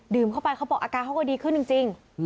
เข้าไปเขาบอกอาการเขาก็ดีขึ้นจริง